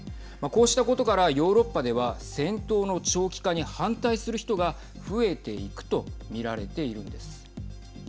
こうしたことからヨーロッパでは戦闘の長期化に反対する人が増えていくと見られているんです。